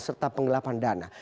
serta pengelapan dana